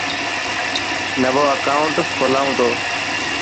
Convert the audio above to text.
نوو اڪائوٽ کولان تو.